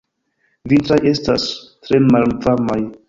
Vintraj estas tre malvarmaj.